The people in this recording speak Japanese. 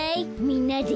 みんなで。